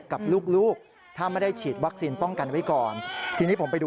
ขอบคุณพี่ไทยที่ขอบคุณพี่ไทยที่ขอบคุณพี่ไทย